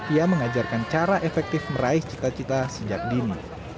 ia mengajarkan cara efektif meraih cita cita sejak dini